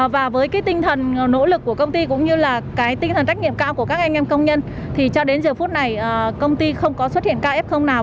và với cái tinh thần nỗ lực của công ty cũng như là cái tinh thần trách nhiệm cao của các anh em công nhân thì cho đến giờ phút này công ty không có xuất hiện ca f nào